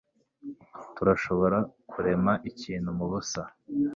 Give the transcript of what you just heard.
Turashobora kurema ikintu mubusa?